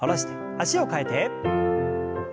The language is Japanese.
脚を替えて。